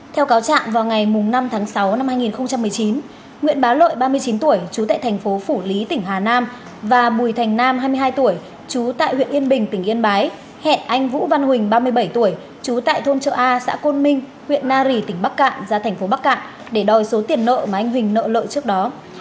theo cáo trạng vào ngày năm tháng sáu năm hai nghìn một mươi chín nguyễn bá lợi ba mươi chín tuổi trú tại thành phố phủ lý tỉnh hà nam và bùi thành nam hai mươi hai tuổi trú tại huyện yên bình tỉnh yên bái hẹn anh vũ văn huỳnh ba mươi bảy tuổi trú tại thôn châu a xã côn minh huyện nari tỉnh bắc cạn ra thành phố bắc cạn để đòi số tiền nợ mà anh huỳnh nợ lợi trước đó